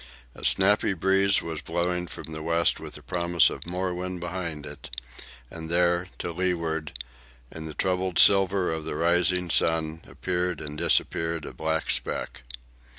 A snappy breeze was blowing from the west with the promise of more wind behind it; and there, to leeward, in the troubled silver of the rising sun, appeared and disappeared a black speck.